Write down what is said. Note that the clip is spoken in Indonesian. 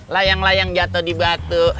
layang layang jatuh di batu